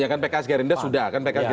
ya kan pks gerindra sudah